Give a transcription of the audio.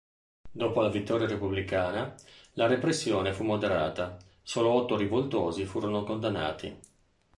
Dopo la vittoria repubblicana, la repressione fu moderata: solo otto rivoltosi furono condannati.